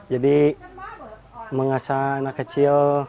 jadi mengasah anak kecil